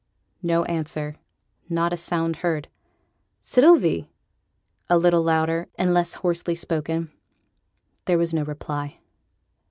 No answer. Not a sound heard. 'Sylvie!' (a little louder, and less hoarsely spoken). There was no reply.